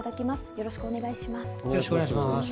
よろしくお願いします。